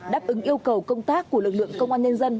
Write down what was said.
đáp ứng yêu cầu công tác của lực lượng công an nhân dân